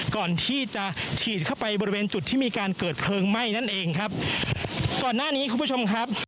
ก่อนที่จะฉีดเข้าไปบริเวณจุดที่มีการเกิดเพลิงไหม้นั่นเองครับก่อนหน้านี้คุณผู้ชมครับ